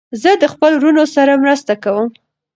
زه د خپلو وروڼو سره مرسته کوم.